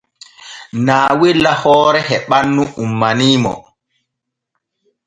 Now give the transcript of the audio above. Naawella hoore e ɓannu ummanii mo.